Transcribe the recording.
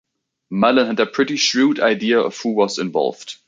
Mallon had a pretty shrewd idea of who was involved.